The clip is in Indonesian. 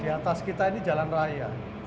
di atas kita ini jalan raya